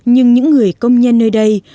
nhưng những người công nhân nơi đây